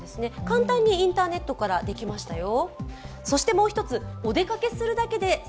簡単にインターネットからできましたよ。